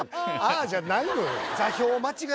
「あぁ」じゃないのよ。